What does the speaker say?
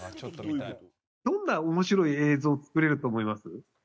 どんな面白い映像作れると思います？